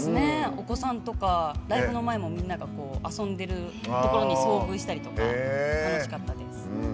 お子さんとかライブの前みんなが遊んでるところに遭遇したりとか楽しかったです。